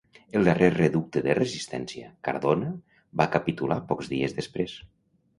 El darrer reducte de resistència, Cardona, va capitular pocs dies després.